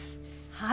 はい！